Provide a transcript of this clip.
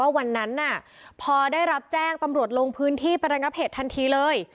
วันนั้นพอได้รับแจ้งตำรวจลงพื้นที่ไประงับเหตุทันทีเลย